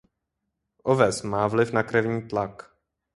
Oves má vliv na krevní tlak.